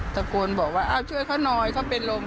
ตะโกนบอกว่าช่วยเขาหน่อยเขาเป็นลม